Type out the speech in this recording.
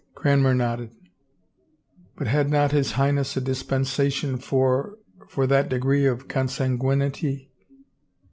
Cranmer nodded. " But had not his Highness a dis pensation for — for that degree of consanguinity